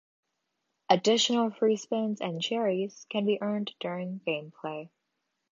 Additional Free Spins and cherries can be earned during gameplay.